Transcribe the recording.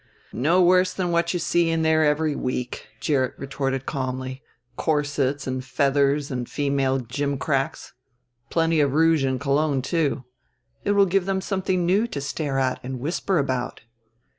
"No worse than what you see there every week," Gerrit retorted calmly; "corsets and feathers and female gimcracks. Plenty of rouge and cologne too. It will give them something new to stare at and whisper about."